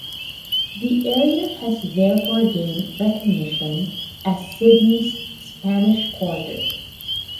The area has therefore gained recognition as Sydney's "Spanish Quarter".